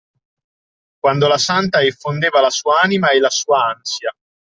Quando la santa effondeva la sua anima e la sua ansia